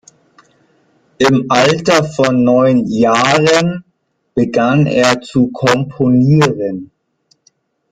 Im Alter von neun Jahren begann er zu komponieren.